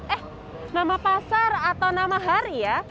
eh nama pasar atau nama hari ya